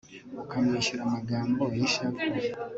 ukamwishyura amagambo y'ishavu